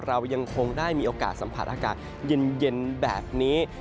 เรายังคงได้มีโอกาสสัมผัสอากาศเย็นแบบนี้